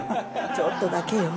ちょっとだけよ。